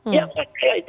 ya kayak itu